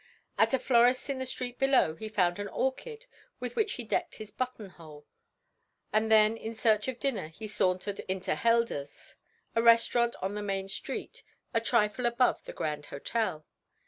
At a florist's in the street below he found an orchid with which he decked his button hole, and then in search of dinner he sauntered into Helder's, a restaurant on the main street, a trifle above the Grand Hôtel.